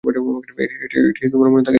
এটি তোমার মনে থাকে যেন।